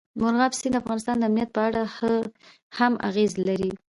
مورغاب سیند د افغانستان د امنیت په اړه هم اغېز لري.